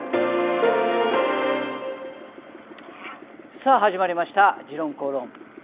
さあ、始まりました「時論公論」。